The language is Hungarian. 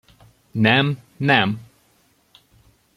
Nem, nem!